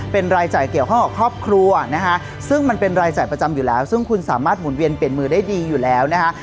เป็นรายจ่ายเกี่ยวข้องกับครอบครัวนะฮะซึ่งมันเป็นรายจ่ายประจำอยู่แล้วซึ่งคุณสามารถหมุนเวียนเปลี่ยนมือได้ดีอยู่แล้วนะคะ